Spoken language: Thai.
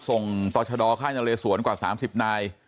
ต่อชะดอค่ายนเลสวนกว่า๓๐นาย